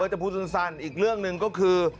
มันจะพูดสุดสั้นอีกเรื่องนึงก็คือ